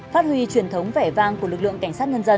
phát huy truyền thống vẻ vang của lực lượng cảnh sát nhân dân